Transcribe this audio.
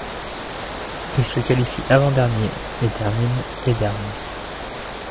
Il se qualifie avant-dernier et termine et dernier.